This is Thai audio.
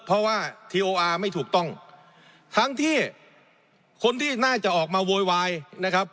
เพราะว่าทีโออาร์ไม่ถูกต้องทั้งที่คนที่น่าจะออกมาโวยวายนะครับ